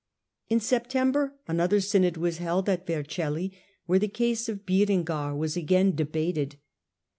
In September another synod was held at Vercelli, where the case of Berengar was again debated.